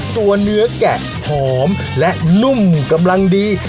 ตัวเนื้อแกะหอมและนุ่มกำลังดี